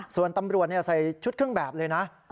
ส่วนตำรวจใส่ชุดเครื่องแบบเลยนะ